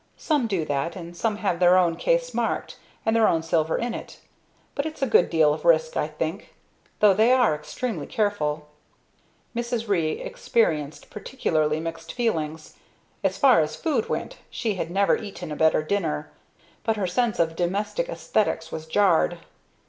Some do that and some have their own case marked, and their own silver in it, but it's a good deal of risk, I think, though they are extremely careful." Mrs. Ree experienced peculiarly mixed feelings. As far as food went, she had never eaten a better dinner. But her sense of Domestic Aesthetics was jarred.